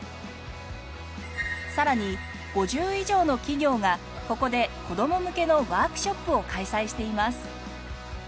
さらに５０以上の企業がここで子ども向けのワークショップを開催しています。